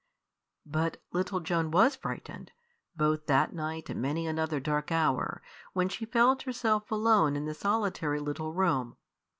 But little Joan was frightened, both that night and many another dark hour, when she felt herself alone in the solitary little room.